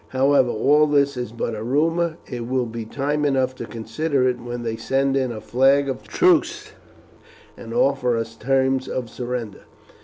However, all this is but a rumour. It will be time enough to consider it when they send in a flag of truce and offer us terms of surrender.